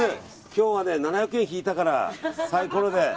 今日は７００円引いたからサイコロで。